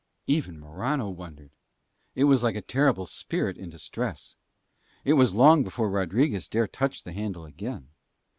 Even Morano wondered. It was like a terrible spirit in distress. It was long before Rodriguez dare touch the handle again.